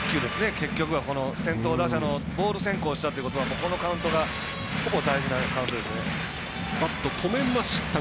結局は先頭打者のボール先行したということはこのカウントがほぼ大事なカウントですね。